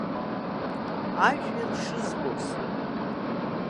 Ажәҩан шызбоз.